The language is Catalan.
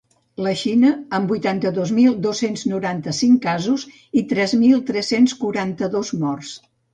La Xina, amb vuitanta-dos mil dos-cents noranta-cinc casos i tres mil tres-cents quaranta-dos morts.